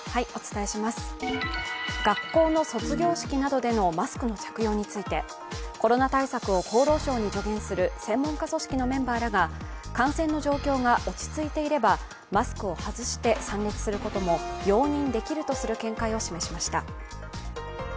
学校の卒業式などでのマスクの着用についてコロナ対策を厚労省に助言する専門家組織のメンバーらが感染の状況が落ち着いていればマスクを外して参列することも容認できるとする見解を示しました。